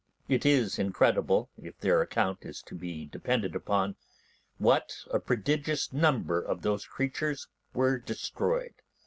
It is incredible, if their account is to be depended upon, what a prodigious number of those creatures were destroyed.